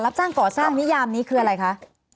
รับจ้างก่อสร้างนิยามนี้คืออะไรคะ